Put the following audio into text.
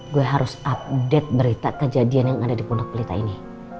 gue harus update berita kejadian yang ada di pondok pelita ini